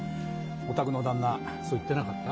お宅の旦那そう言ってなかった？